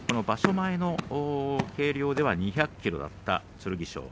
前の計量では２００ｋｇだった剣翔。